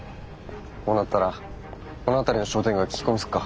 こうなったらこの辺りの商店街聞き込みすっか。